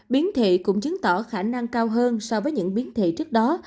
biến thể cũng chứng tỏ khả năng cao hơn so với những biến thể trước đó